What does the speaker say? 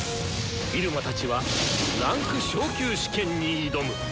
入間たちは位階昇級試験に挑む！